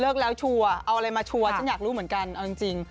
แล้วชัวร์เอาอะไรมาชัวร์ฉันอยากรู้เหมือนกันเอาจริง